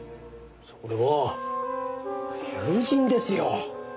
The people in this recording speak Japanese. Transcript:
それは友人ですよ。